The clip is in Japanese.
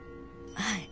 はい。